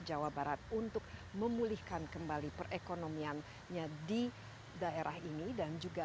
jawa barat untuk memulihkan kembali perekonomiannya di daerah ini dan juga